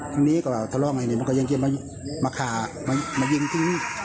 ทีนี้ก็ทะเลาะไงมันก็ยังมาขามายิงที่นี่